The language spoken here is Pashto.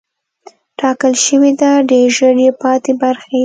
ټاکل شوې ده ډېر ژر یې پاتې برخې